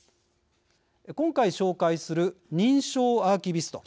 今回紹介する認証アーキビスト。